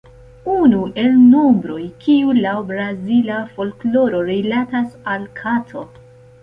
Unu el nombroj kiu laŭ Brazila folkloro rilatas al kato.